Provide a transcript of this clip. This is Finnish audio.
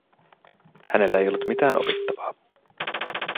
Hänellä ei ollut mitään opittavaa.